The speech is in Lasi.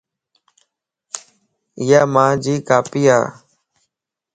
ايا مان جي کاپي ا